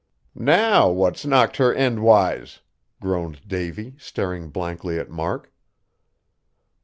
"Now, what's knocked her endwise?" groaned Davy, staring blankly at Mark.